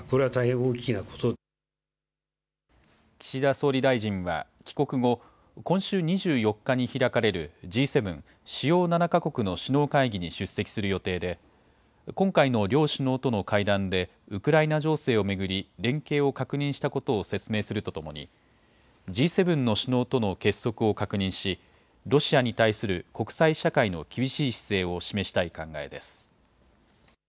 岸田総理大臣は帰国後、今週２４日に開かれる、Ｇ７・主要７か国の首脳会議に出席する予定で、今回の両首脳との会談でウクライナ情勢を巡り、連携を確認したことを説明するとともに、Ｇ７の首脳との結束を確認し、ロシアに対する国際社会の厳しい姿勢を示したい考えです。